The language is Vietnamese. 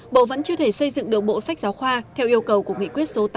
bộ vẫn chưa thể xây dựng được bộ sách giáo khoa theo yêu cầu của nghị quyết số tám